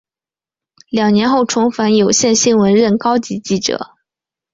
两年后重返有线新闻任高级记者。